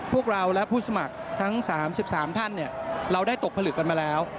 พวกเราและผู้สมัครทั้ง๓๓ท่านเราได้ตกผลึกกันมาแล้ว